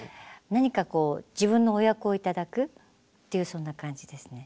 何かこう自分のお役を頂くっていうそんな感じですね。